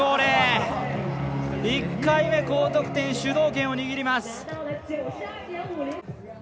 １回目、高得点主導権を握ります。